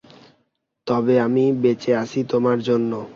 তবে আমি বেঁচে আছি তোমার জন্য।